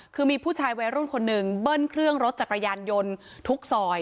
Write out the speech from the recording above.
คือมีผู้ชายวัยรุ่นคนหนึ่งเบิ้ลเครื่องรถจักรยานยนต์ทุกซอย